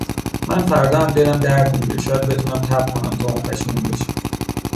من فردا هم دلم درد میگیره شاید بتونم تب کنم تا اون پشیمون بشه